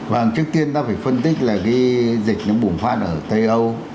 và trước tiên ta phải phân tích là cái dịch nó bùng phát ở tây âu